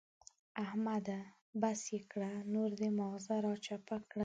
احمده! بس يې کړه نور دې ماغزه را چپه کړل.